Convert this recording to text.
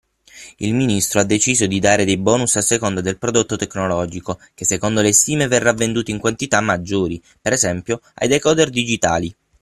Il ministro ha deciso di dare dei bonus a seconda del prodotto tecnologico, che secondo le stime verrà venduto in quantità maggiori, per esempio ai decoder digitali.